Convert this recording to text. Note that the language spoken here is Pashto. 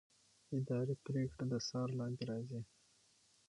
اداري پرېکړه د څار لاندې راځي.